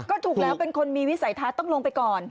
ก็ถูกแล้วเป็นคนมีวิสัยทัศน์ต้องลงไปก่อน